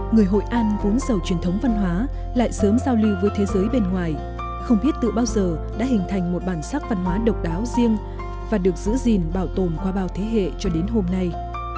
người hội an vốn giàu truyền thống văn hóa lại sớm giao lưu với thế giới bên ngoài không biết tự bao giờ đã hình thành một bản sắc văn hóa độc đáo riêng và được giữ gìn bảo tồn qua bao thế hệ cho đến hôm nay